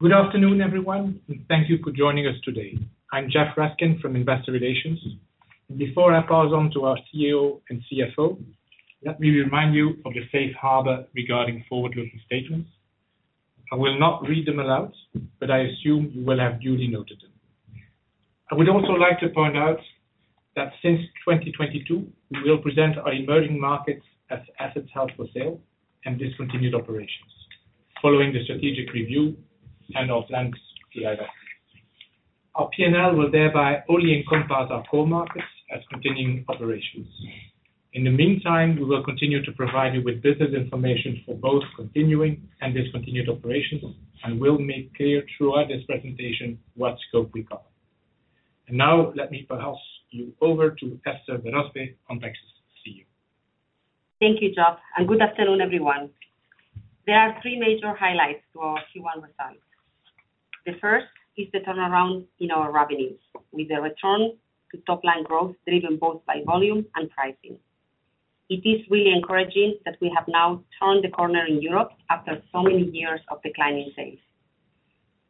Good afternoon, everyone, and thank you for joining us today. I'm Geoffroy Raskin from Investor Relations. Before I pass on to our CEO and CFO, let me remind you of the safe harbor regarding forward-looking statements. I will not read them aloud, but I assume you will have duly noted them. I would also like to point out that since 2022, we will present our emerging markets as assets held for sale and discontinued operations following the strategic review and our plans. Thank you, Geoffroy, and good afternoon, everyone. There are three major highlights to our Q1 results. The first is the turnaround in our revenues with a return to top-line growth driven both by volume and pricing. It is really encouraging that we have now turned the corner in Europe after so many years of declining sales.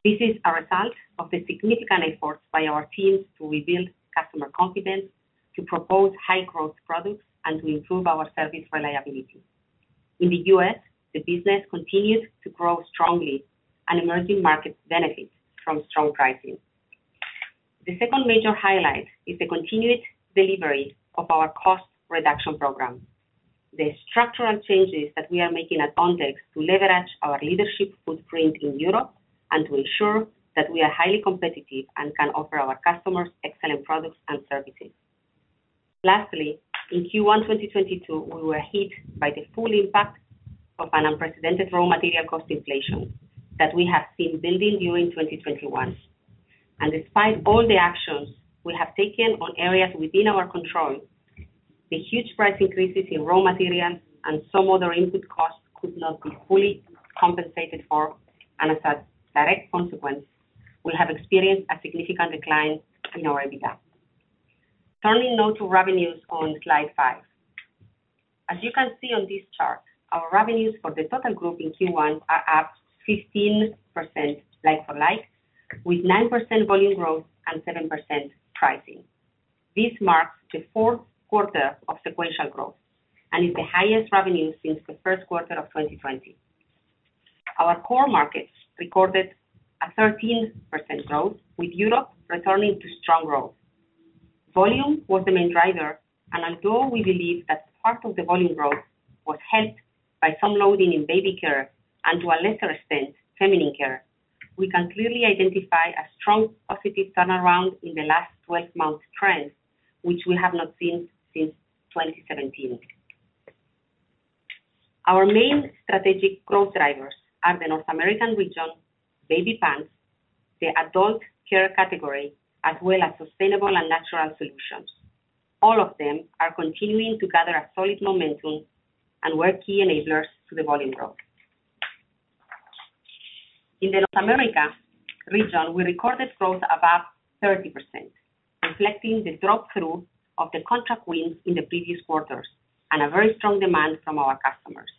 This is a result of the significant efforts by our teams to rebuild customer confidence, to propose high growth products, and to improve our service reliability. In the US, the business continues to grow strongly, and emerging markets benefit from strong pricing. The second major highlight is the continued delivery of our cost reduction program. The structural changes that we are making at Ontex to leverage our leadership footprint in Europe and to ensure that we are highly competitive and can offer our customers excellent products and services. Lastly, in Q1 2022, we were hit by the full impact of an unprecedented raw material cost inflation that we have seen building during 2021. Despite all the actions we have taken on areas within our control, the huge price increases in raw materials and some other input costs could not be fully compensated for, and as a direct consequence, we have experienced a significant decline in our EBITDA. Turning now to revenues on slide five. As you can see on this chart, our revenues for the total group in Q1 are up 15% like for like, with 9% volume growth and 7% pricing. This marks the Q4 of sequential growth and is the highest revenue since the Q1 of 2020. Our core markets recorded a 13% growth, with Europe returning to strong growth. Volume was the main driver, and although we believe that part of the volume growth was helped by some loading in baby care and to a lesser extent, feminine care, we can clearly identify a strong positive turnaround in the last 12 month trend, which we have not seen since 2017. Our main strategic growth drivers are the North American region, baby pants, the adult care category, as well as sustainable and natural solutions. All of them are continuing to gather a solid momentum and were key enablers to the volume growth. In the North America region, we recorded growth above 30%, reflecting the drop-through of the contract wins in the previous quarters and a very strong demand from our customers.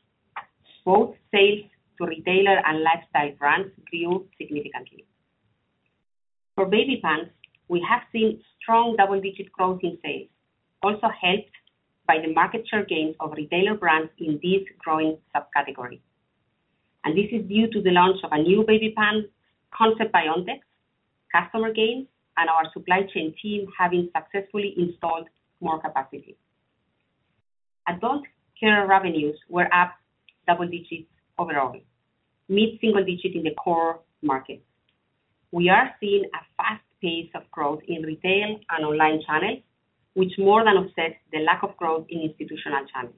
Both sales to retailer and lifestyle brands grew significantly. For baby pants, we have seen strong double-digit growth in sales, also helped by the market share gains of retailer brands in this growing subcategory. This is due to the launch of a new baby pant concept by Ontex, customer gains, and our supply chain team having successfully installed more capacity. Adult care revenues were up double digits overall, mid-single digit in the core markets. We are seeing a fast pace of growth in retail and online channels, which more than offsets the lack of growth in institutional channels.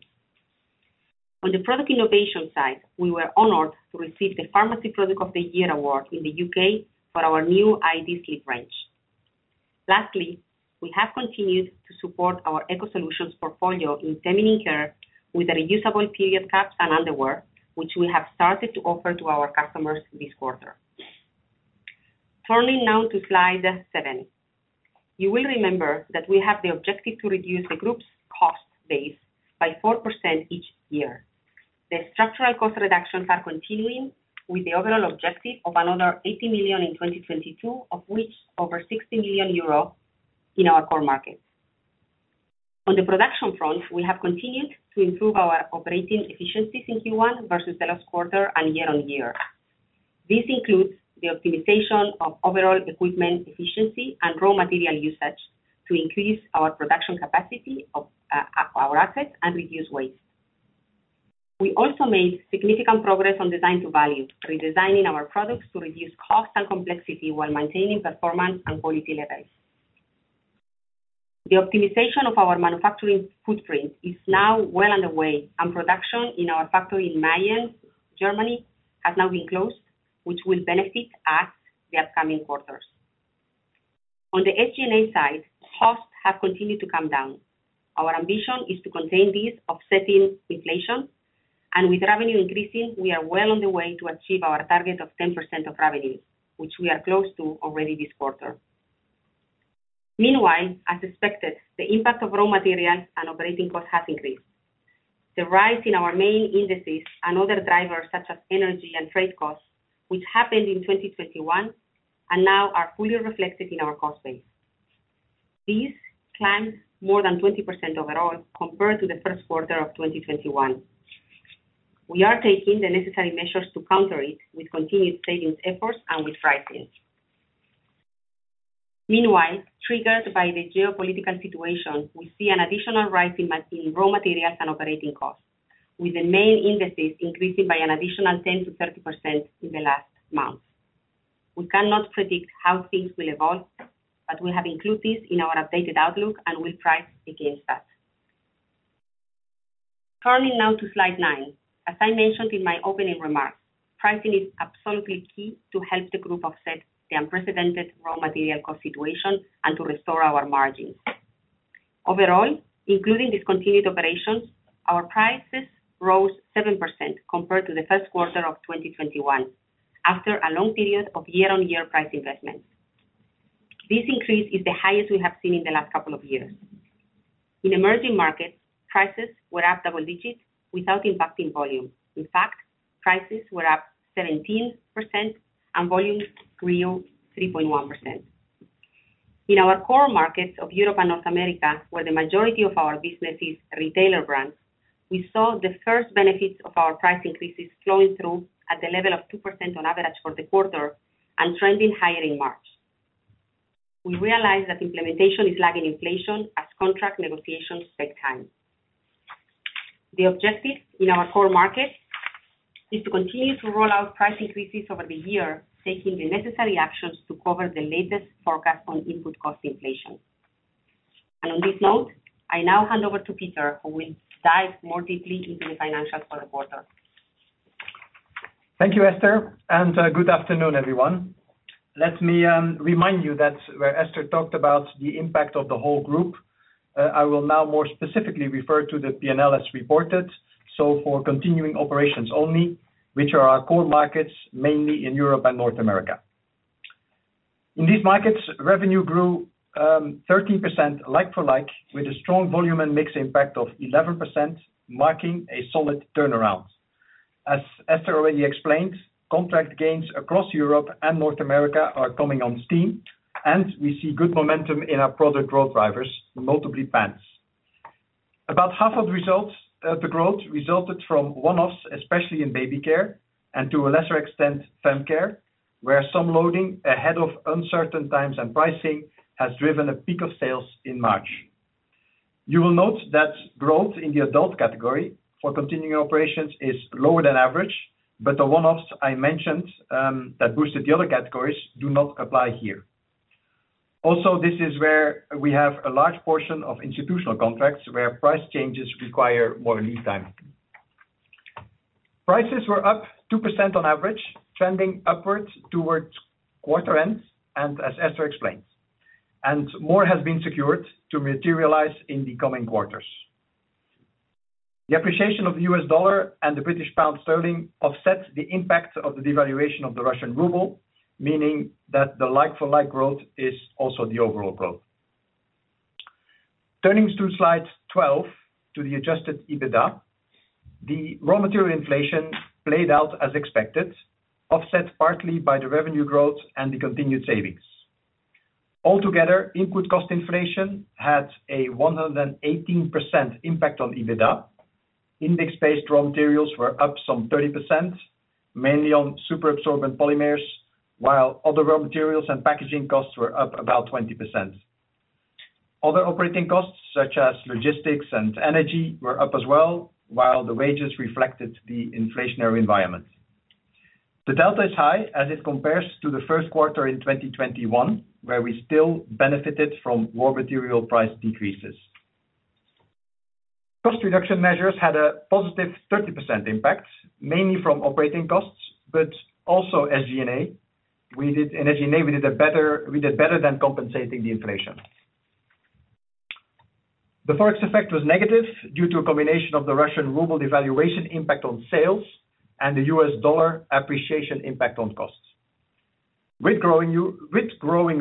On the product innovation side, we were honored to receive the Pharmacy Product of the Year award in the U.K. for our new iD Sleep range. Lastly, we have continued to support our eco solutions portfolio in feminine care with the reusable period cups and underwear, which we have started to offer to our customers this quarter. Turning now to slide seven. You will remember that we have the objective to reduce the group's cost base by 4% each year. The structural cost reductions are continuing with the overall objective of another 80 million in 2022, of which over 60 million euro in our core markets. On the production front, we have continued to improve our operating efficiencies in Q1 versus the last quarter and year-on-year. This includes the optimization of overall equipment effectiveness and raw material usage to increase our production capacity of our assets and reduce waste. We also made significant progress on design to value, redesigning our products to reduce cost and complexity while maintaining performance and quality levels. The optimization of our manufacturing footprint is now well underway, and production in our factory in Mayen, Germany, has now been closed, which will benefit us the upcoming quarters. On the SG&A side, costs have continued to come down. Our ambition is to contain this offsetting inflation. With revenue increasing, we are well on the way to achieve our target of 10% of revenues, which we are close to already this quarter. Meanwhile, as expected, the impact of raw materials and operating costs has increased. The rise in our main indices and other drivers such as energy and trade costs, which happened in 2021 and now are fully reflected in our cost base. These climbed more than 20% overall compared to the Q1 of 2021. We are taking the necessary measures to counter it with continued savings efforts and with pricing. Meanwhile, triggered by the geopolitical situation, we see an additional rise in raw materials and operating costs, with the main indices increasing by an additional 10%-30% in the last month. We cannot predict how things will evolve, but we have included this in our updated outlook and will price against that. Turning now to slide nine. As I mentioned in my opening remarks, pricing is absolutely key to help the group offset the unprecedented raw material cost situation and to restore our margins. Overall, including discontinued operations, our prices rose 7% compared to the Q1 of 2021 after a long period of year-on-year price investments. This increase is the highest we have seen in the last couple of years. In emerging markets, prices were up double digits without impacting volume. In fact, prices were up 17% and volume grew 3.1%. In our core markets of Europe and North America, where the majority of our business is retailer brands, we saw the first benefits of our price increases flowing through at the level of 2% on average for the quarter and trending higher in March. We realize that implementation is lagging inflation as contract negotiations take time. The objective in our core markets is to continue to roll out price increases over the year, taking the necessary actions to cover the latest forecast on input cost inflation. On this note, I now hand over to Pieter, who will dive more deeply into the financials for the quarter. Thank you, Esther, and good afternoon, everyone. Let me remind you that where Esther talked about the impact of the whole group, I will now more specifically refer to the P&L as reported. For continuing operations only, which are our core markets, mainly in Europe and North America. In these markets, revenue grew 13% like for like, with a strong volume and mix impact of 11%, marking a solid turnaround. As Esther already explained, contract gains across Europe and North America are coming on stream, and we see good momentum in our product growth drivers, notably pants. About half of results, the growth resulted from one-offs, especially in baby care and to a lesser extent, fem care, where some loading ahead of uncertain times and pricing has driven a peak of sales in March. You will note that growth in the adult category for continuing operations is lower than average, but the one-offs I mentioned that boosted the other categories do not apply here. Also, this is where we have a large portion of institutional contracts where price changes require more lead time. Prices were up 2% on average, trending upwards towards quarter ends, and as Esther explained. More has been secured to materialize in the coming quarters. The appreciation of the U.S. dollar and the British pound sterling offsets the impact of the devaluation of the Russian ruble, meaning that the like-for-like growth is also the overall growth. Turning to slide 12 to the adjusted EBITDA, the raw material inflation played out as expected, offset partly by the revenue growth and the continued savings. Altogether, input cost inflation had a 118% impact on EBITDA. Index-based raw materials were up some 30%, mainly on superabsorbent polymers, while other raw materials and packaging costs were up about 20%. Other operating costs, such as logistics and energy, were up as well, while the wages reflected the inflationary environment. The delta is high as it compares to the Q1 in 2021, where we still benefited from raw material price decreases. Cost reduction measures had a positive 30% impact, mainly from operating costs, but also SG&A. In SG&A, we did better than compensating the inflation. The Forex effect was negative due to a combination of the Russian ruble devaluation impact on sales and the US dollar appreciation impact on costs. With growing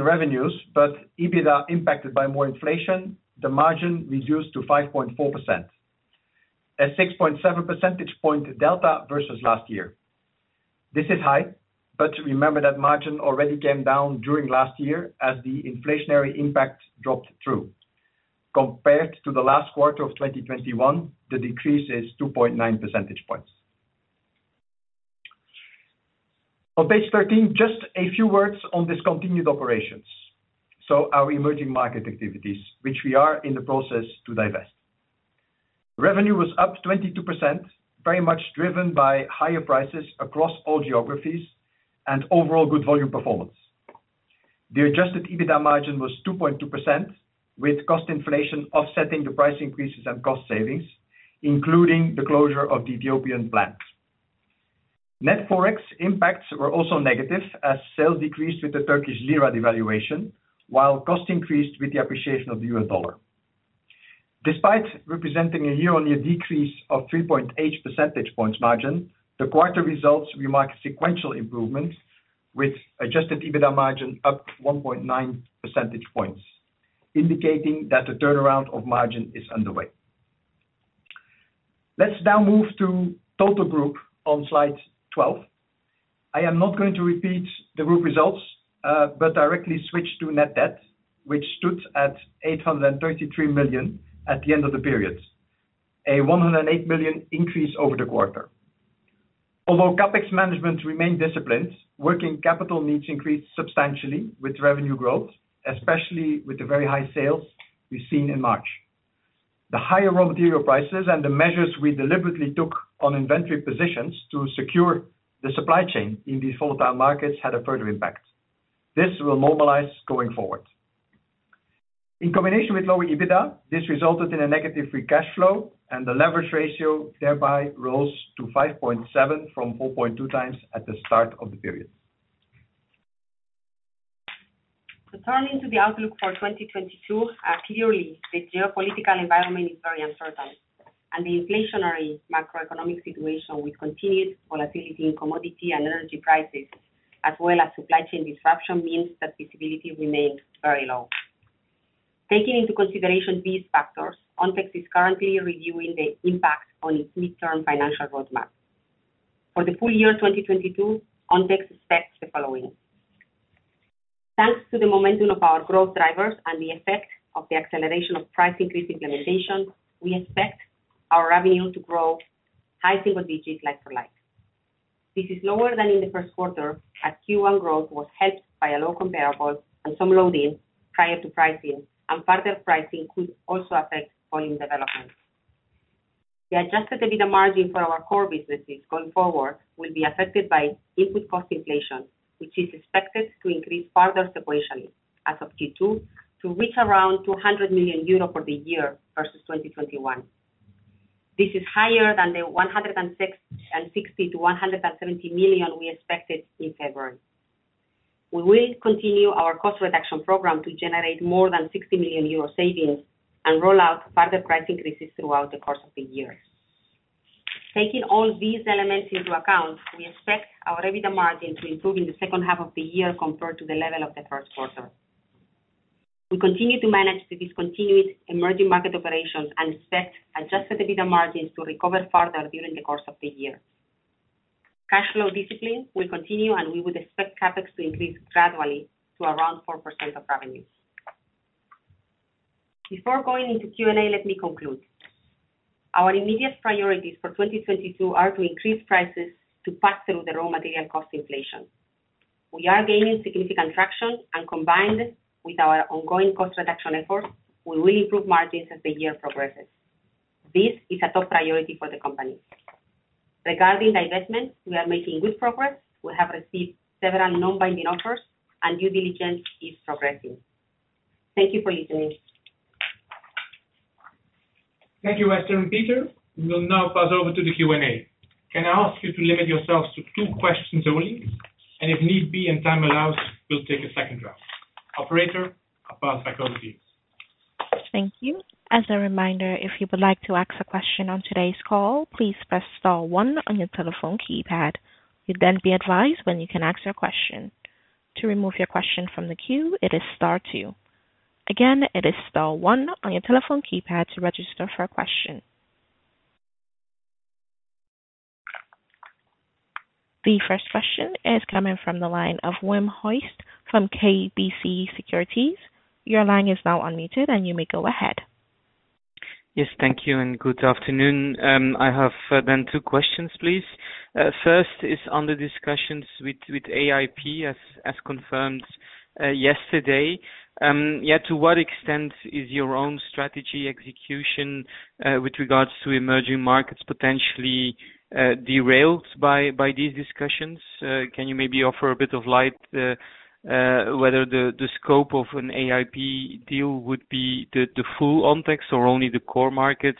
revenues, but EBITDA impacted by more inflation, the margin reduced to 5.4%. A 6.7 percentage point delta versus last year. This is high, but remember that margin already came down during last year as the inflationary impact dropped through. Compared to the last quarter of 2021, the decrease is 2.9 percentage points. On page 13, just a few words on discontinued operations. Our emerging market activities, which we are in the process to divest. Revenue was up 22%, very much driven by higher prices across all geographies and overall good volume performance. The adjusted EBITDA margin was 2.2%, with cost inflation offsetting the price increases and cost savings, including the closure of the Ethiopian plant. Net ForEx impacts were also negative as sales decreased with the Turkish lira devaluation, while costs increased with the appreciation of the U.S. dollar. Despite representing a year-on-year decrease of 3.8 percentage points margin, the quarter results reflect sequential improvements with adjusted EBITDA margin up 1.9 percentage points, indicating that the turnaround of margin is underway. Let's now move to total group on slide 12. I am not going to repeat the group results, but directly switch to net debt, which stood at 833 million at the end of the period. A 108 million increase over the quarter. Although CapEx management remained disciplined, working capital needs increased substantially with revenue growth, especially with the very high sales we've seen in March. The higher raw material prices and the measures we deliberately took on inventory positions to secure the supply chain in these volatile markets had a further impact. This will mobilize going forward. In combination with lower EBITDA, this resulted in a negative free cash flow and the leverage ratio thereby rose to 5.7x from 4.2x at the start of the period. Turning to the outlook for 2022, clearly the geopolitical environment is very uncertain. The inflationary macroeconomic situation with continued volatility in commodity and energy prices, as well as supply chain disruption, means that visibility remains very low. Taking into consideration these factors, Ontex is currently reviewing the impact on its midterm financial roadmap. For the full year 2022, Ontex expects the following. Thanks to the momentum of our growth drivers and the effect of the acceleration of price increase implementation, we expect our revenue to grow high single digits like for like. This is lower than in the Q1, as Q1 growth was helped by a low comparable and some loading prior to pricing and further pricing could also affect volume development. The adjusted EBITDA margin for our core businesses going forward will be affected by input cost inflation, which is expected to increase further sequentially as of Q2 to reach around 200 million euro for the year versus 2021. This is higher than the 160 million-170 million we expected in February. We will continue our cost reduction program to generate more than 60 million euro savings and roll out further price increases throughout the course of the year. Taking all these elements into account, we expect our EBITDA margin to improve in the H2 of the year compared to the level of the Q1. We continue to manage the discontinued emerging market operations and set adjusted EBITDA margins to recover further during the course of the year. Cash flow discipline will continue, and we would expect CapEx to increase gradually to around 4% of revenues. Before going into Q&A, let me conclude. Our immediate priorities for 2022 are to increase prices to pass through the raw material cost inflation. We are gaining significant traction, and combined with our ongoing cost reduction efforts, we will improve margins as the year progresses. This is a top priority for the company. Regarding divestments, we are making good progress. We have received several non-binding offers and due diligence is progressing. Thank you for listening. Thank you, Esther and Pieter. We will now pass over to the Q&A. Can I ask you to limit yourselves to two questions only, and if need be and time allows, we'll take a second round. Operator, pass back over to you. Thank you. As a reminder, if you would like to ask a question on today's call, please press star one on your telephone keypad. You'll then be advised when you can ask your question. To remove your question from the queue, it is star two. Again, it is star one on your telephone keypad to register for a question. The first question is coming from the line of Wim Hoste from KBC Securities. Your line is now unmuted, and you may go ahead. Yes, thank you and good afternoon. I have then two questions, please. First is on the discussions with AIP, as confirmed yesterday. To what extent is your own strategy execution with regards to emerging markets potentially derailed by these discussions? Can you maybe offer a bit of light on whether the scope of an AIP deal would be the full Ontex or only the core markets?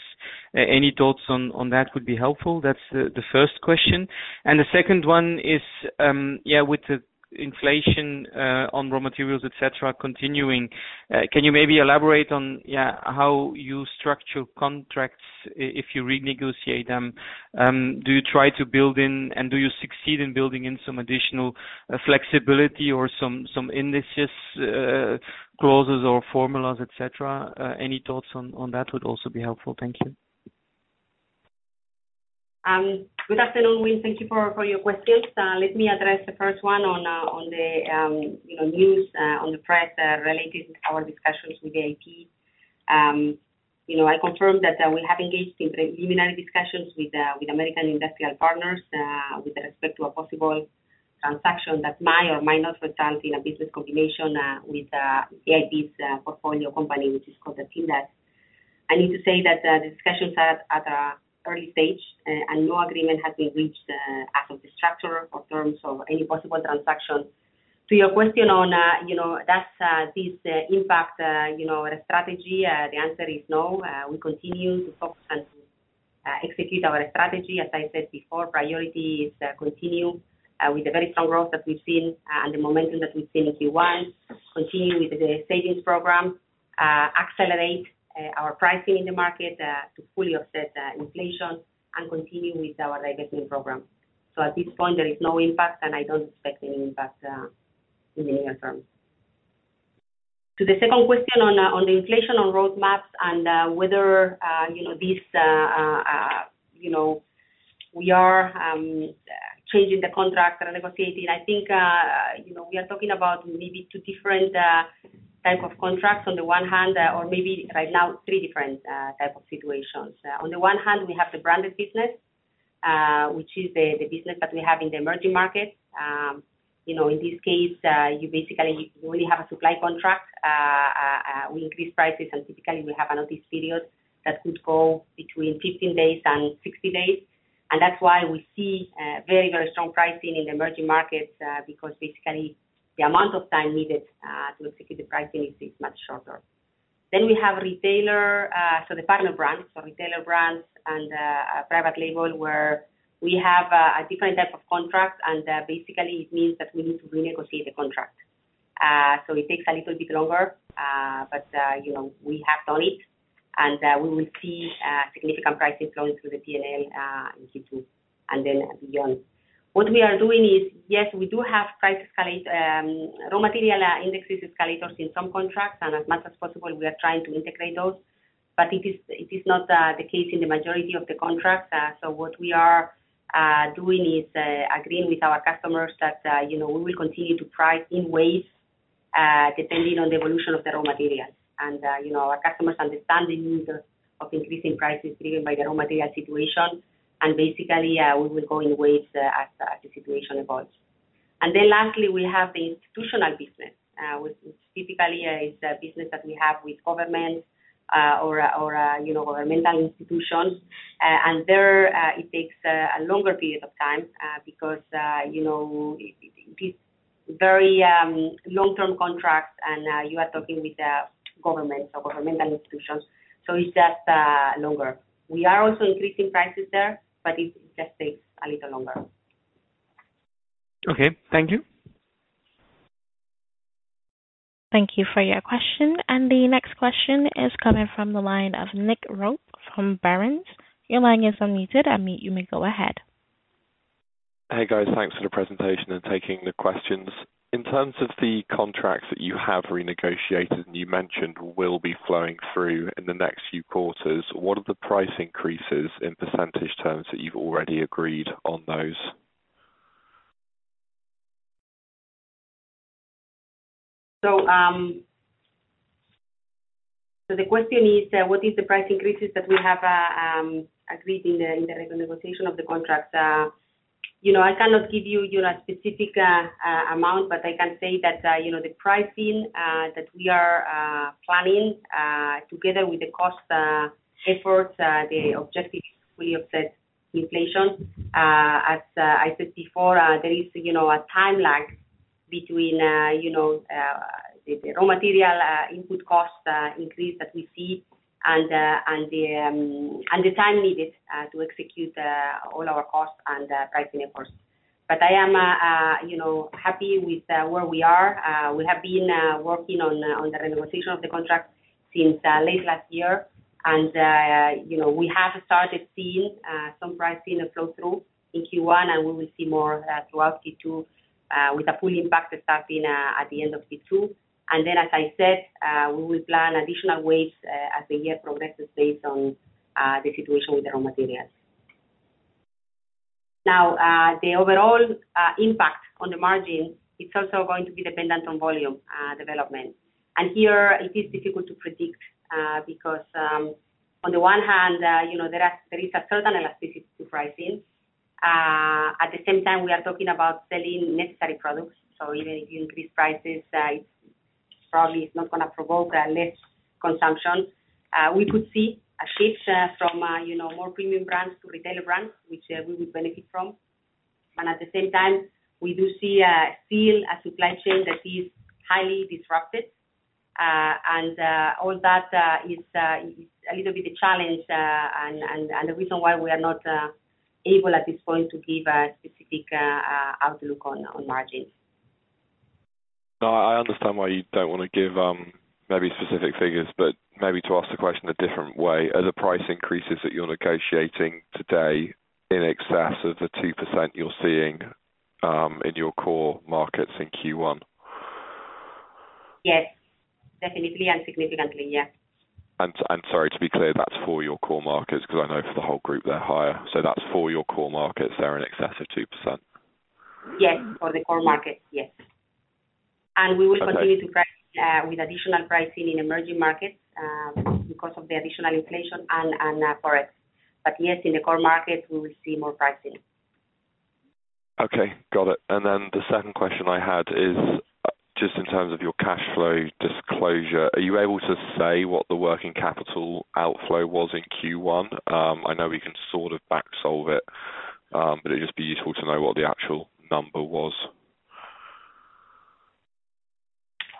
Any thoughts on that would be helpful. That's the first question. The second one is, with the inflation on raw materials, et cetera, continuing, can you maybe elaborate on how you structure contracts if you renegotiate them? Do you try to build in and do you succeed in building in some additional flexibility or some indices clauses or formulas, et cetera? Any thoughts on that would also be helpful. Thank you. Good afternoon, Wim. Thank you for your questions. Let me address the first one on, you know, news in the press related with our discussions with AIP. You know, I confirm that we have engaged in preliminary discussions with American Industrial Partners with respect to a possible transaction that might or might not result in a business combination with AIP's portfolio company, which is called Attindas. I need to say that the discussions are at an early stage and no agreement has been reached as to the structure or terms of any possible transaction. To your question on, you know, that this impact on our strategy, the answer is no. We continue to focus and execute our strategy. As I said before, priority is continue with the very strong growth that we've seen and the momentum that we've seen in Q1, continue with the savings program, accelerate our pricing in the market to fully offset inflation, and continue with our divesting program. At this point, there is no impact, and I don't expect any impact in the near term. To the second question on on the inflation on raw materials and whether you know this you know we are changing the contract or negotiating. I think you know we are talking about maybe two different type of contracts on the one hand, or maybe right now three different type of situations. On the one hand, we have the branded business, which is the business that we have in the emerging markets. You know, in this case, we have a supply contract. We increase prices, and typically we have a notice period that could go between 15 days and 60 days. That's why we see very, very strong pricing in the emerging markets, because basically the amount of time needed to execute the pricing is much shorter. We have retailer brands, so the partner brands. Retailer brands and private label, where we have a different type of contract, and basically it means that we need to renegotiate the contract. It takes a little bit longer, but you know, we have done it, and we will see significant prices going through the P&L in Q2 and then beyond. What we are doing is, yes, we do have raw material indexes escalators in some contracts, and as much as possible, we are trying to integrate those. It is not the case in the majority of the contracts. What we are doing is agreeing with our customers that you know, we will continue to price in ways depending on the evolution of the raw materials. You know, our customers understand the need of increasing prices driven by the raw material situation. Basically, we will go in waves as the situation evolves. Lastly, we have the institutional business, which typically is a business that we have with governments or you know governmental institutions. There it takes a longer period of time because you know these very long-term contracts and you are talking with governments or governmental institutions, so it's just longer. We are also increasing prices there, but it just takes a little longer. Okay. Thank you. Thank you for your question. The next question is coming from the line of Nick Roque from Barron's. Your line is unmuted, and Nick, you may go ahead. Hey, guys. Thanks for the presentation and taking the questions. In terms of the contracts that you have renegotiated, and you mentioned will be flowing through in the next few quarters, what are the price increases in percentage terms that you've already agreed on those? The question is, what is the price increases that we have agreed in the renegotiation of the contracts? You know, I cannot give you the specific amount, but I can say that, you know, the pricing that we are planning together with the cost efforts, the objective is to fully offset inflation. As I said before, there is, you know, a time lag between, you know, the raw material input cost increase that we see and the time needed to execute all our costs and pricing efforts. I am, you know, happy with where we are. We have been working on the renegotiation of the contract since late last year. You know, we have started seeing some pricing flow through in Q1, and we will see more of that throughout Q2 with a full impact starting at the end of Q2. As I said, we will plan additional waves as the year progresses based on the situation with the raw materials. Now, the overall impact on the margin is also going to be dependent on volume development. Here it is difficult to predict because on the one hand you know, there is a certain elasticity to pricing. At the same time, we are talking about selling necessary products, so even if you increase prices, it probably is not gonna provoke less consumption. We could see a shift from you know more premium brands to retailer brands, which we would benefit from. At the same time, we do see still a supply chain that is highly disrupted. All that is a little bit a challenge and the reason why we are not able at this point to give a specific outlook on margins. No, I understand why you don't wanna give, maybe specific figures, but maybe to ask the question a different way. Are the price increases that you're negotiating today in excess of the 2% you're seeing in your core markets in Q1? Yes. Definitely and significantly, yes. Sorry, to be clear, that's for your core markets, 'cause I know for the whole group, they're higher. That's for your core markets, they're in excess of 2%. Yes. For the core markets, yes. Okay. We will continue to price with additional pricing in emerging markets because of the additional inflation and Forex. Yes, in the core markets we will see more pricing. Okay. Got it. Then the second question I had is just in terms of your cash flow disclosure, are you able to say what the working capital outflow was in Q1? I know we can sort of back solve it, but it'd just be useful to know what the actual number was.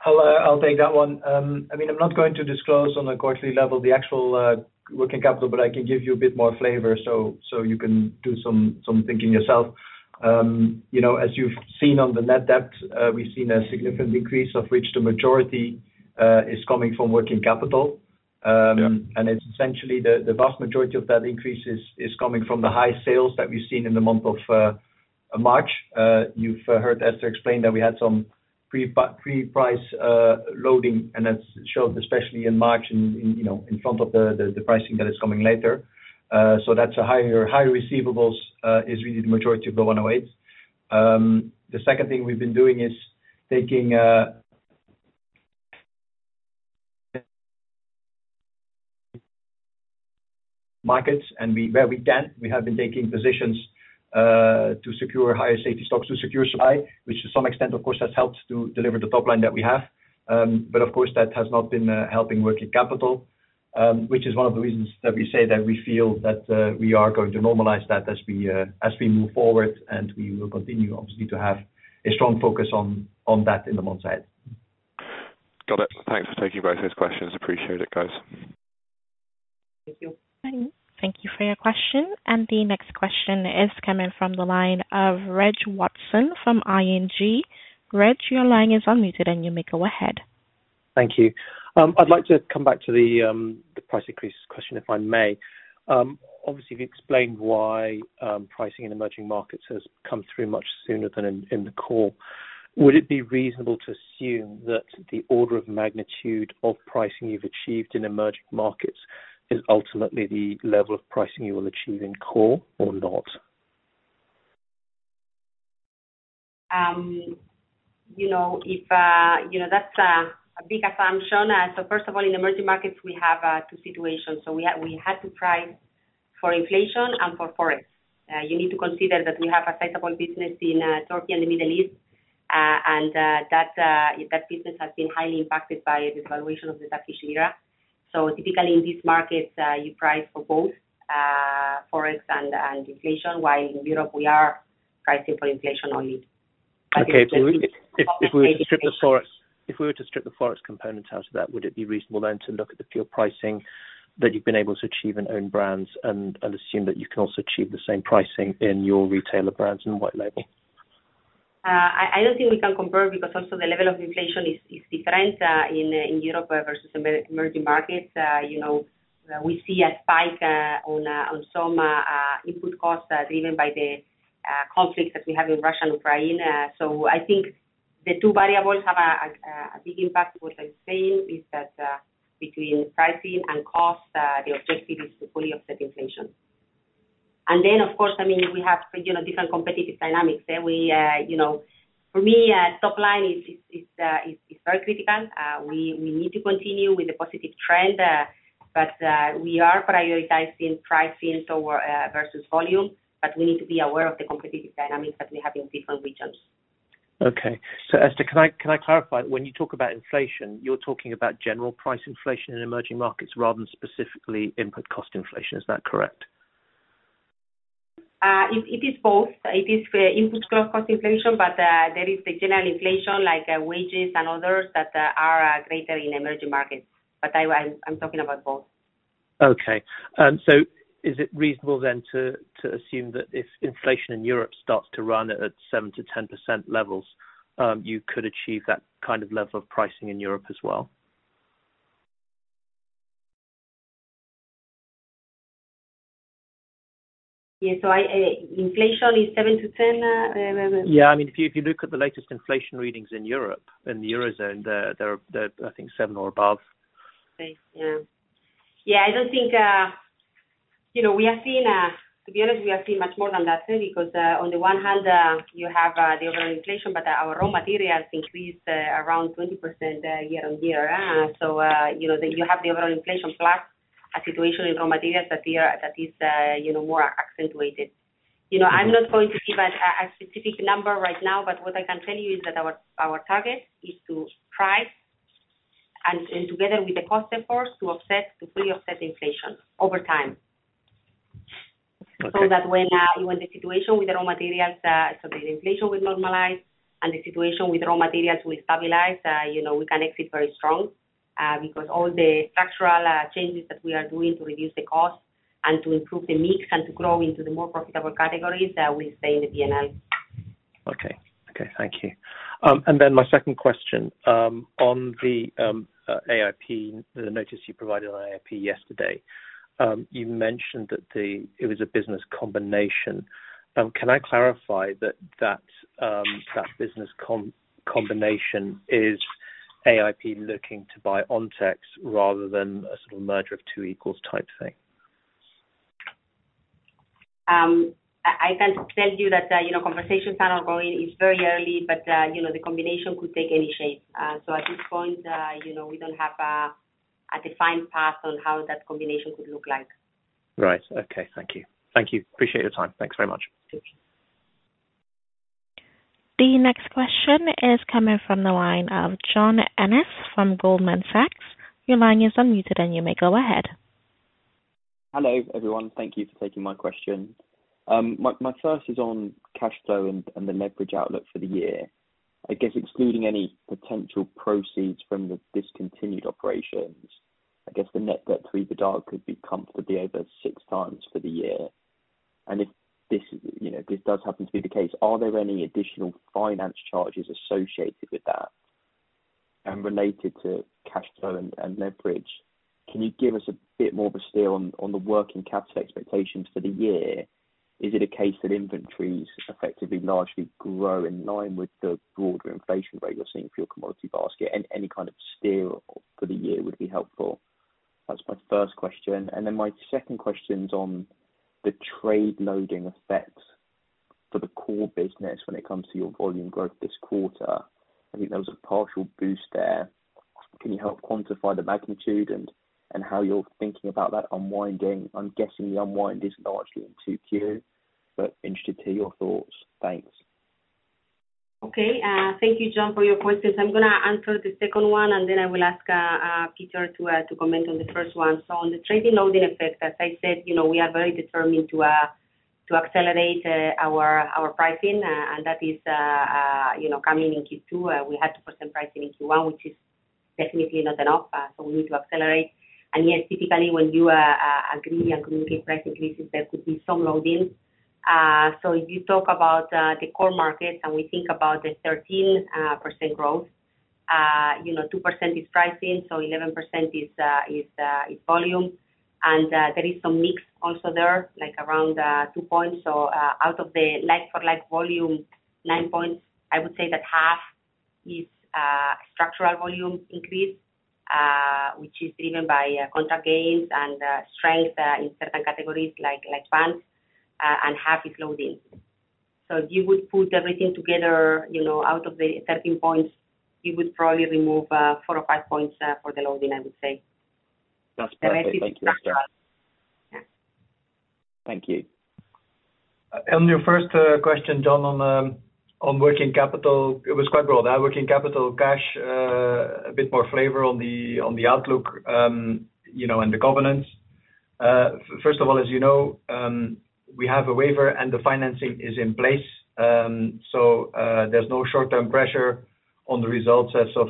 I'll take that one. I mean, I'm not going to disclose on a quarterly level the actual working capital, but I can give you a bit more flavor, so you can do some thinking yourself. You know, as you've seen on the net debt, we've seen a significant increase of which the majority is coming from working capital. Yeah. It's essentially the vast majority of that increase is coming from the high sales that we've seen in the month of March. You've heard Esther explain that we had some pre-price loading, and that's showed especially in March in, you know, in front of the pricing that is coming later. So that's higher receivables is really the majority of the 108. The second thing we've been doing is taking markets and where we can, we have been taking positions to secure higher safety stocks to secure supply, which to some extent of course has helped to deliver the top line that we have. Of course, that has not been helping working capital, which is one of the reasons that we say that we feel that we are going to normalize that as we move forward, and we will continue obviously to have a strong focus on that in the months ahead. Got it. Thanks for taking both those questions. Appreciate it, guys. Thank you. Thank you for your question. The next question is coming from the line of Reg Watson from ING. Reg, your line is unmuted, and you may go ahead. Thank you. I'd like to come back to the price increase question, if I may. Obviously, you've explained why pricing in emerging markets has come through much sooner than in the core. Would it be reasonable to assume that the order of magnitude of pricing you've achieved in emerging markets is ultimately the level of pricing you will achieve in core or not? You know, if you know, that's a big assumption. First of all, in emerging markets, we have two situations. We had to price for inflation and for forex. You need to consider that we have a sizable business in Turkey and the Middle East, and that business has been highly impacted by the devaluation of the Turkish lira. Typically in these markets, you price for both forex and inflation, while in Europe we are pricing for inflation only. If we were to strip the Forex component out of that, would it be reasonable then to look at the pure pricing that you've been able to achieve in own brands and assume that you can also achieve the same pricing in your retailer brands and white label? I don't think we can compare because also the level of inflation is different in Europe versus emerging markets. You know, we see a spike on some input costs driven by the conflicts that we have in Russia and Ukraine. I think the two variables have a big impact. What I'm saying is that between pricing and cost the objective is to fully offset inflation. Of course, I mean, we have, you know, different competitive dynamics that we, you know. For me, top line is very critical. We need to continue with the positive trend, but we are prioritizing pricing over versus volume, but we need to be aware of the competitive dynamics that we have in different regions. Okay. Esther, can I clarify? When you talk about inflation, you're talking about general price inflation in emerging markets rather than specifically input cost inflation. Is that correct? It is both. It is input cost inflation, but there is the general inflation, like wages and others that are greater in emerging markets. I'm talking about both. Is it reasonable then to assume that if inflation in Europe starts to run at 7%-10% levels, you could achieve that kind of level of pricing in Europe as well? Inflation is 7%-10%. Yeah. I mean, if you look at the latest inflation readings in Europe, in the Eurozone, they're I think 7% or above. Okay. Yeah. Yeah. I don't think you know, we have seen, to be honest, we have seen much more than that, because on the one hand, you have the overall inflation, but our raw materials increased around 20% year-on-year. So, you know, then you have the overall inflation plus a situation in raw materials that is more accentuated. You know, I'm not going to give a specific number right now, but what I can tell you is that our target is to price and together with the cost efforts, to fully offset inflation over time. Okay. That when the situation with the raw materials, so the inflation will normalize and the situation with raw materials will stabilize, you know, we can exit very strong, because all the structural changes that we are doing to reduce the cost and to improve the mix and to grow into the more profitable categories will stay in the P&L. Okay, thank you. My second question on the AIP, the notice you provided on AIP yesterday, you mentioned that it was a business combination. Can I clarify that business combination is AIP looking to buy Ontex rather than a sort of merger of two equals type thing? I can tell you that, you know, conversations are ongoing. It's very early, but, you know, the combination could take any shape. At this point, you know, we don't have a defined path on how that combination could look like. Right. Okay. Thank you. Appreciate your time. Thanks very much. The next question is coming from the line of John Ennis from Goldman Sachs. Your line is unmuted, and you may go ahead. Hello, everyone. Thank you for taking my question. My first is on cash flow and the net debt outlook for the year. I guess excluding any potential proceeds from the discontinued operations, I guess the net debt through the year could be comfortably over 6x for the year. If this, you know, this does happen to be the case, are there any additional finance charges associated with that? Related to cash flow and leverage, can you give us a bit more of a steer on the working capital expectations for the year? Is it a case that inventories effectively largely grow in line with the broader inflation rate you're seeing for your commodity basket? Any kind of steer for the year would be helpful. That's my first question. Then my second question's on the trade loading effect for the core business when it comes to your volume growth this quarter. I think there was a partial boost there. Can you help quantify the magnitude and how you're thinking about that unwinding? I'm guessing the unwind isn't largely in 2Q, but interested to hear your thoughts. Thanks. Okay. Thank you, John, for your questions. I'm gonna answer the second one, and then I will ask Pieter to comment on the first one. On the trade loading effect, as I said, you know, we are very determined to accelerate our pricing, and that is, you know, coming in Q2. We had to put some pricing in Q1, which is definitely not enough, so we need to accelerate. Yes, typically when you agree on customer price increases, there could be some loading. If you talk about the core markets and we think about the 13% growth, you know, 2% is pricing, so 11% is volume. There is some mix also there, like around 2 points. Out of the like for like volume, 9 points, I would say that half is structural volume increase, which is driven by contract gains and strength in certain categories like pants, and half is loading. If you would put everything together, you know, out of the 13 points, you would probably remove 4 or 5 points for the loading, I would say. That's perfect. Thank you, Esther. Yeah. Thank you. On your first question, John, on working capital, it was quite broad. Working capital, cash, a bit more flavor on the outlook, you know, and the governance. First of all, as you know, we have a waiver and the financing is in place. There's no short-term pressure on the results as of,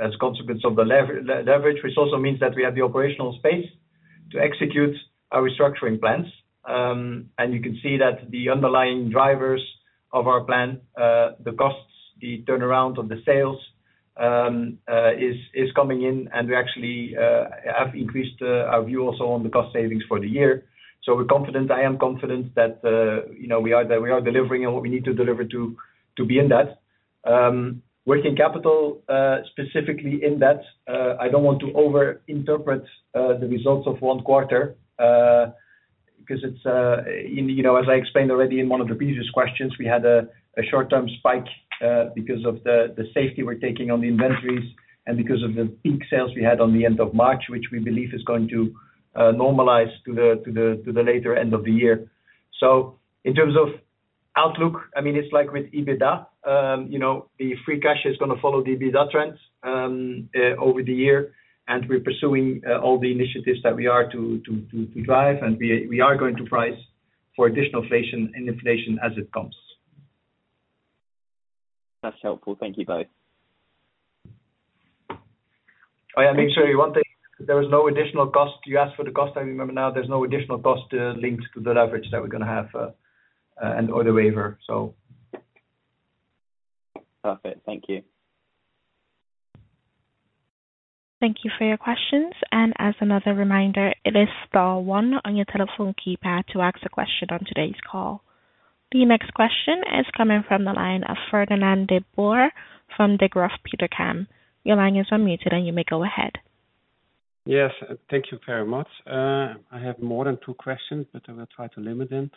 as a consequence of the leverage, which also means that we have the operational space to execute our restructuring plans. You can see that the underlying drivers of our plan, the costs, the turnaround of the sales, is coming in and we actually have increased our view also on the cost savings for the year. We're confident, I am confident that, you know, we are delivering on what we need to deliver to be in that. Working capital, specifically in that, I don't want to overinterpret the results of one quarter, 'cause it's. You know, as I explained already in one of the previous questions, we had a short-term spike because of the safety we're taking on the inventories and because of the peak sales we had on the end of March, which we believe is going to normalize to the later end of the year. In terms of outlook, I mean, it's like with EBITDA, you know, the free cash is gonna follow the EBITDA trends over the year, and we're pursuing all the initiatives that we are to drive, and we are going to price for additional inflation and inflation as it comes. That's helpful. Thank you both. Oh yeah, make sure one thing, there is no additional cost. You asked for the cost, I remember now. There's no additional cost, linked to the leverage that we're gonna have, and or the waiver, so. Perfect. Thank you. Thank you for your questions. As another reminder, it is star one on your telephone keypad to ask a question on today's call. The next question is coming from the line of Fernand de Boer from Degroof Petercam. Your line is unmuted, and you may go ahead. Yes. Thank you very much. I have more than two questions, but I will try to limit them.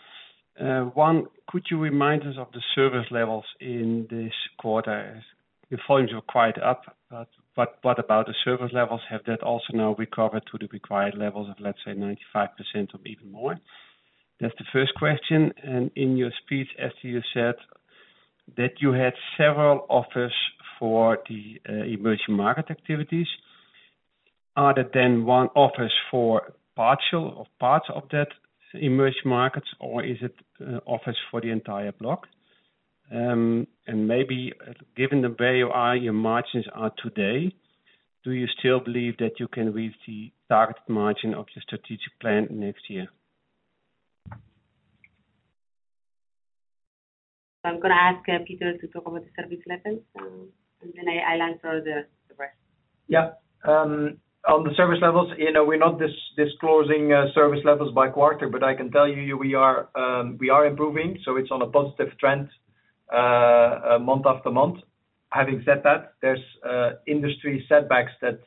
One, could you remind us of the service levels in this quarter? The volumes were quite up, but what about the service levels? Have that also now recovered to the required levels of, let's say, 95% or even more? That's the first question. In your speech, Esther, you said that you had several offers for the emerging market activities. Are there then one offers for partial or parts of that emerging markets, or is it offers for the entire block? Maybe given the value are your margins are today, do you still believe that you can reach the target margin of your strategic plan next year? I'm gonna ask Pieter to talk about the service levels, and then I'll answer the rest. Yeah. On the service levels, you know, we're not disclosing service levels by quarter, but I can tell you, we are improving, so it's on a positive trend, month after month. Having said that, there's industry setbacks that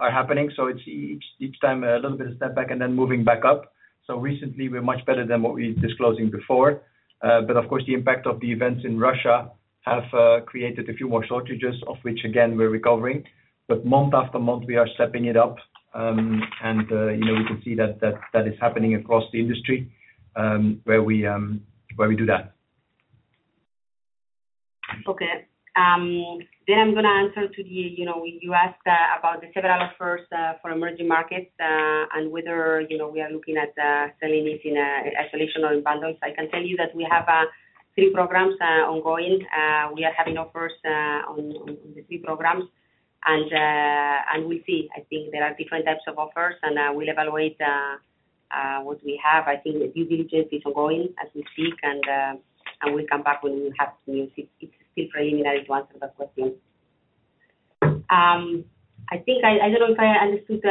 are happening, so it's each time a little bit of setback and then moving back up. Recently, we're much better than what we're disclosing before. Of course, the impact of the events in Russia have created a few more shortages, of which again, we're recovering. Month after month, we are stepping it up, and you know, we can see that is happening across the industry, where we do that. Okay. I'm gonna answer to the... You know, you asked about the several offers for emerging markets, and whether, you know, we are looking at selling it in isolation or in bundles. I can tell you that we have three programs ongoing. We are having offers on the three programs. We'll see. I think there are different types of offers, and we'll evaluate what we have. I think the due diligence is ongoing as we speak, and we'll come back when we have news. It's still preliminary to answer that question. I think I don't know if I understood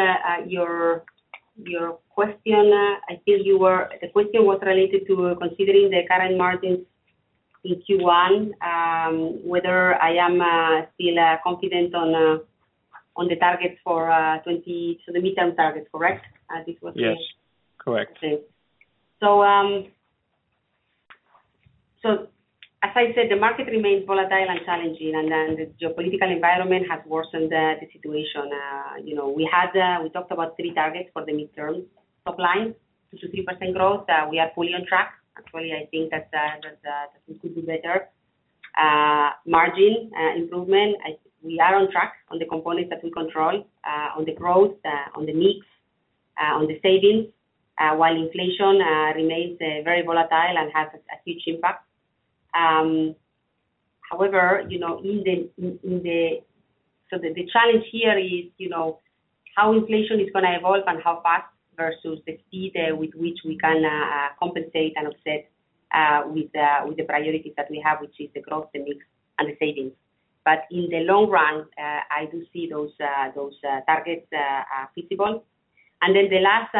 your question. The question was related to considering the current margins in Q1, whether I am still confident on the target. So the midterm target, correct? This was the- Yes. Correct. As I said, the market remains volatile and challenging, and then the geopolitical environment has worsened the situation. You know, we talked about three targets for the midterm top line, 2%-3% growth. We are fully on track. Actually, I think that we could do better. Margin improvement. We are on track on the components that we control, on the growth, on the mix, on the savings, while inflation remains very volatile and has a huge impact. However, you know, in the. The challenge here is, you know, how inflation is gonna evolve and how fast versus the speed at which we can compensate and offset with the priorities that we have, which is the growth, the mix and the savings. But in the long run, I do see those targets feasible. Then the last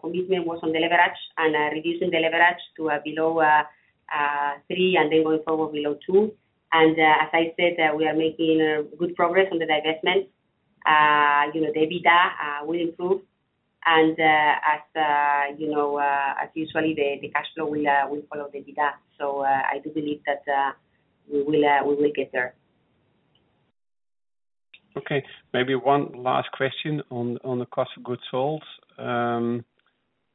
commitment was on the leverage and reducing the leverage to below 3%, and then going forward below 2%. As I said, we are making good progress on the divestment. You know, the EBITDA will improve. And as you know, as usual the cash flow will follow the EBITDA. I do believe that we will get there. Okay. Maybe one last question on the cost of goods sold.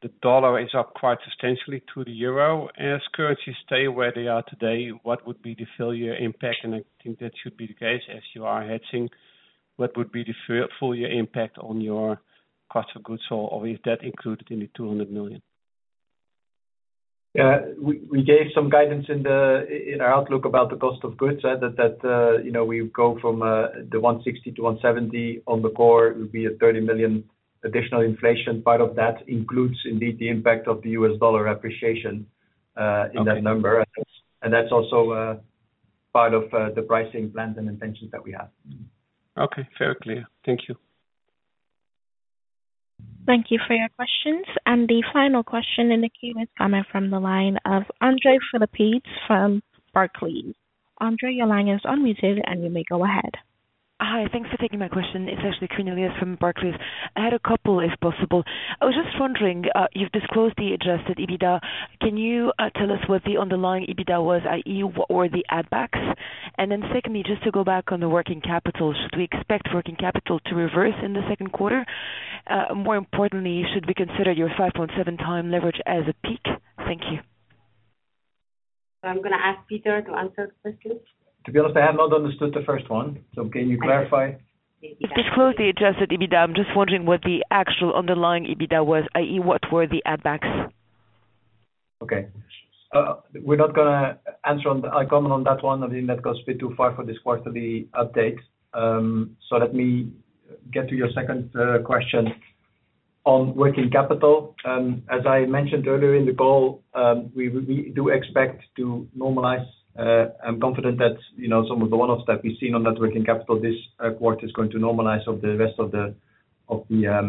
The dollar is up quite substantially to the euro. As currencies stay where they are today, what would be the full year impact? I think that should be the case as you are hedging. What would be the full year impact on your cost of goods sold, or is that included in 200 million? Yeah. We gave some guidance in our outlook about the cost of goods, you know, we go from 160-170 on the core. It would be 30 million additional inflation. Part of that includes indeed the impact of the U.S. dollar appreciation in that number. Okay. That's also part of the pricing plans and intentions that we have. Okay, very clear. Thank you. Thank you for your questions. The final question in the queue is coming from the line of Andre Phillips from Barclays. Andre, your line is unmuted, and you may go ahead. Hi. Thanks for taking my question. It's actually Cornelia from Barclays. I had a couple, if possible. I was just wondering, you've disclosed the adjusted EBITDA. Can you tell us what the underlying EBITDA was, i.e., what were the add backs? And then secondly, just to go back on the working capital, should we expect working capital to reverse in the Q2? More importantly, should we consider your 5.7x leverage as a peak? Thank you. I'm gonna ask Pieter to answer the question. To be honest, I have not understood the first one. Can you clarify? You've disclosed the adjusted EBITDA. I'm just wondering what the actual underlying EBITDA was, i.e., what were the add backs? Okay. We're not gonna comment on that one. I think that goes a bit too far for this quarterly update. Let me get to your second question on working capital. As I mentioned earlier in the call, we do expect to normalize. I'm confident that, you know, some of the one-offs that we've seen on net working capital this quarter is going to normalize over the rest of the year.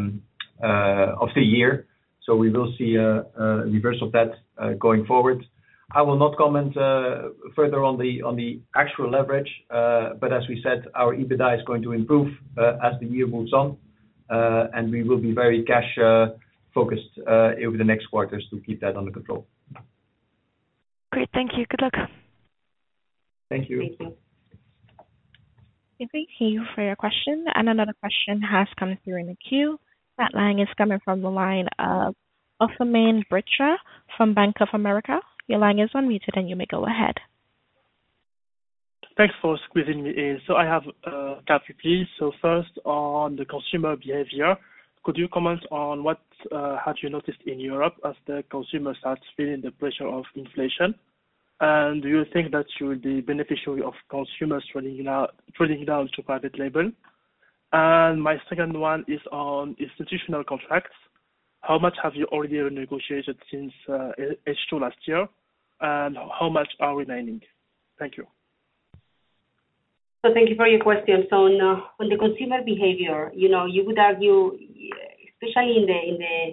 We will see a reverse of that going forward. I will not comment further on the actual leverage. As we said, our EBITDA is going to improve as the year moves on. We will be very cash focused over the next quarters to keep that under control. Great. Thank you. Good luck. Thank you. Thank you. Thank you for your question. Another question has come through in the queue. That line is coming from the line of Othmane Bricha from Bank of America. Your line is unmuted, and you may go ahead. Thanks for squeezing me in. I have couple, please. First, on the consumer behavior, could you comment on what have you noticed in Europe as the consumer starts feeling the pressure of inflation? And do you think that you will be beneficiary of consumers trending down to private label? And my second one is on institutional contracts. How much have you already renegotiated since H2 last year, and how much are remaining? Thank you. Thank you for your question. On the consumer behavior, you would argue, especially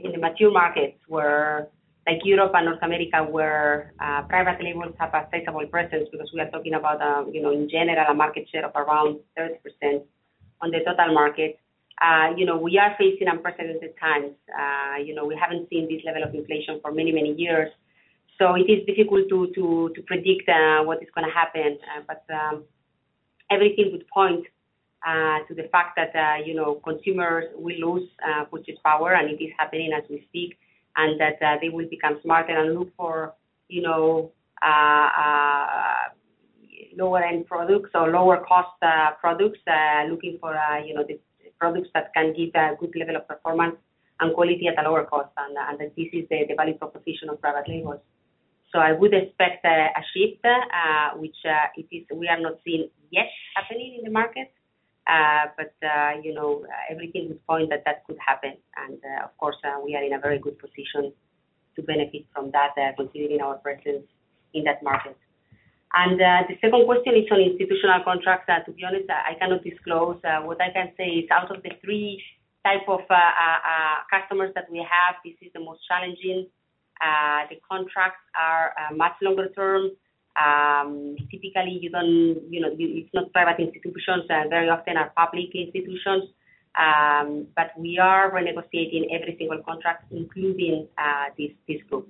in the mature markets where, like Europe and North America, where private labels have a considerable presence, because we are talking about, in general, a market share of around 30% on the total market. We are facing unprecedented times. We haven't seen this level of inflation for many, many years, so it is difficult to predict what is gonna happen. Everything would point to the fact that, you know, consumers will lose purchasing power, and it is happening as we speak, and that they will become smarter and look for, you know, lower-end products or lower cost products, looking for, you know, the products that can give a good level of performance and quality at a lower cost. This is the value proposition of private labels. I would expect a shift which we have not seen yet happening in the market. You know, everything would point that could happen. Of course, we are in a very good position to benefit from that, considering our presence in that market. The second question is on institutional contracts. To be honest, I cannot disclose. What I can say is out of the three type of customers that we have, this is the most challenging. The contracts are much longer term. Typically, you don't, you know, it's not private institutions. They're very often public institutions. We are renegotiating every single contract, including this group.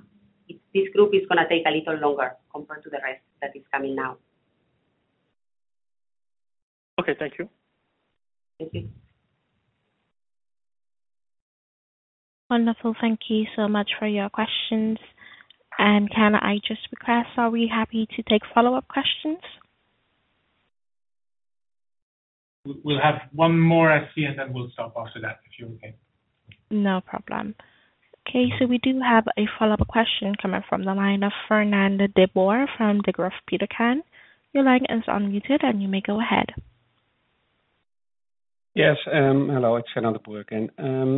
This group is gonna take a little longer compared to the rest that is coming now. Okay. Thank you. Thank you. Wonderful. Thank you so much for your questions. Can I just request, are we happy to take follow-up questions? We'll have one more, I see, and then we'll stop after that if you're okay. No problem. Okay. We do have a follow-up question coming from the line of Fernand de Boer from Degroof Petercam. Your line is unmuted, and you may go ahead. Yes. Hello, it's Fernand de Boer again.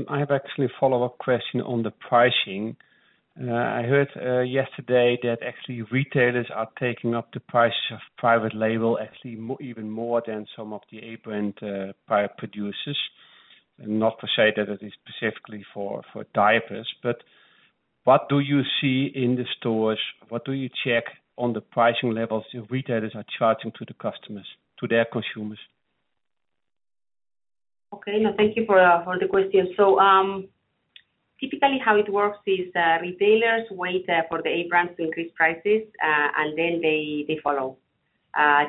I have actually a follow-up question on the pricing. I heard yesterday that actually retailers are taking up the price of private label actually even more than some of the A-brand producers. Not to say that it is specifically for diapers, but what do you see in the stores? What do you check on the pricing levels your retailers are charging to the customers, their consumers? Okay. No, thank you for the question. Typically how it works is, retailers wait for the A brands to increase prices, and then they follow.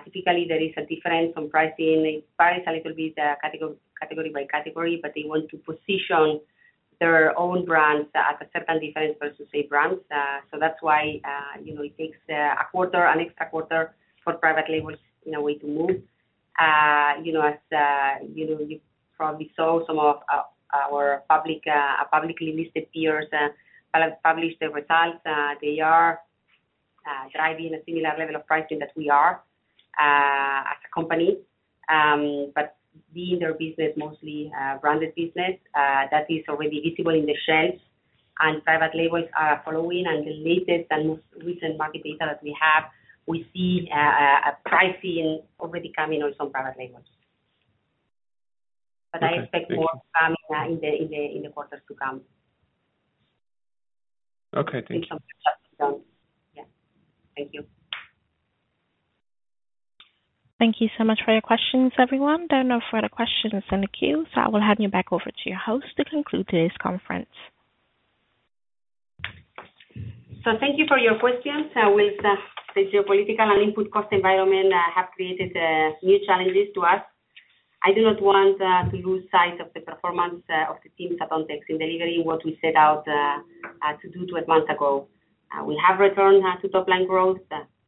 Typically, there is a difference on pricing. It varies a little bit, category by category, but they want to position their own brands at a certain difference versus A brands. So that's why, you know, it takes a quarter, an extra quarter for private labels, in a way to move. You know, you probably saw some of our publicly listed peers publish their results. They are driving a similar level of pricing that we are as a company. Being their business mostly branded business, that is already visible in the shelves and private labels are following. The latest and most recent market data that we have, we see a pricing already coming on some private labels. Okay. Thank you. I expect more coming in the quarters to come. Okay. Thank you. In terms of Yeah. Thank you. Thank you so much for your questions, everyone. There are no further questions in the queue, so I will hand you back over to your host to conclude today's conference. Thank you for your questions. With the geopolitical and input cost environment have created new challenges to us. I do not want to lose sight of the performance of the teams at Ontex in delivering what we set out to do 12 months ago. We have returned to top-line growth.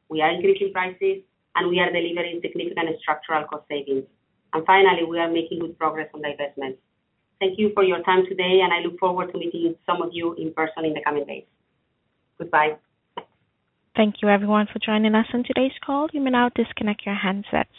We are increasing prices, and we are delivering significant structural cost savings. Finally, we are making good progress on divestments. Thank you for your time today, and I look forward to meeting some of you in person in the coming days. Goodbye. Thank you everyone for joining us on today's call. You may now disconnect your handsets.